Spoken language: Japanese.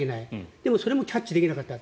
でも、それもキャッチできなかった。